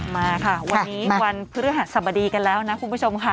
มาค่ะวันนี้วันพฤหัสสบดีกันแล้วนะคุณผู้ชมค่ะ